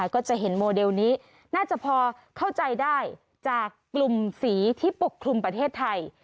ก็จะเห็นโมเดลนี้น่าจะพอเข้าใจได้จากกลุ่มสีที่ปกคลุมประเทศไทย